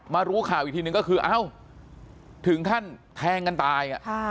มารู้ข่าวอีกทีนึงก็คือถึงท่านแทงกันตาย